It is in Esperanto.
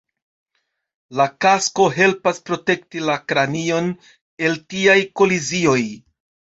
La kasko helpas protekti la kranion el tiaj kolizioj".